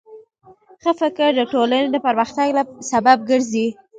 ښه فکر د ټولنې د پرمختګ سبب ګرځي.